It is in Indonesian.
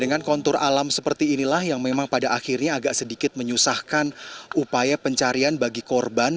dengan kontur alam seperti inilah yang memang pada akhirnya agak sedikit menyusahkan upaya pencarian bagi korban